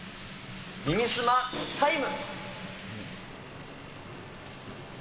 耳すまタイム！